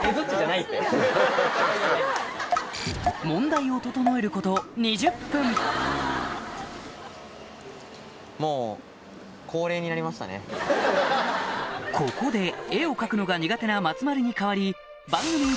問題を整えること２０分ここで絵を描くのが苦手な松丸に代わり番組